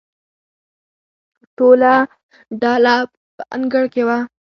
ټوله ډله په انګړ کې وه.